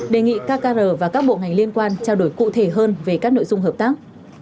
đề nghị kcr và các bộ ngành liên quan trao đổi cụ thể hơn về các nội dung hợp tác